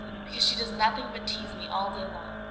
"Because she does nothing but tease me all day long."